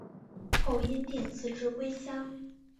后因病辞职归乡。